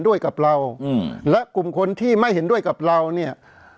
ด้วยกับเราอืมและกลุ่มคนที่ไม่เห็นด้วยกับเราเนี่ย